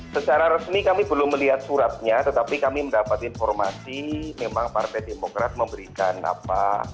secara resmi kami belum melihat suratnya tetapi kami mendapat informasi memang partai demokrat memberikan apa